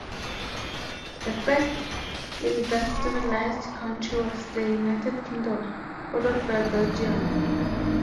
The first industrialized country was the United Kingdom, followed by Belgium.